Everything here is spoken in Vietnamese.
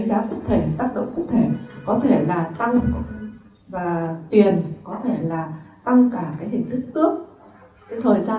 và có thể là phần bổ sung các hình thức gọi là xử lý vi phạm bổ sung